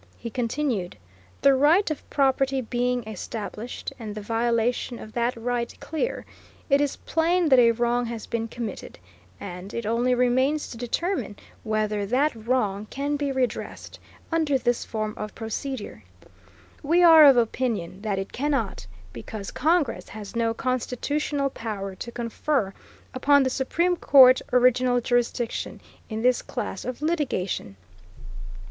He continued: The right of property being established, and the violation of that right clear, it is plain that a wrong has been committed, and it only remains to determine whether that wrong can be redressed under this form of procedure. We are of opinion that it cannot, because Congress has no constitutional power to confer upon the Supreme Court original jurisdiction in this class of litigation.